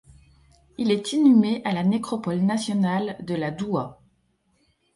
Il est inhumé à la nécropole nationale de la Doua.